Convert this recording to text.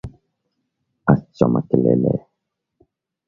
Acha makelele